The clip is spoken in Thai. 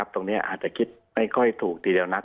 ตรงนี้อาจจะคิดไม่ค่อยถูกทีเดียวนัก